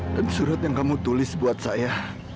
dan surat yang kamu tulis buat saya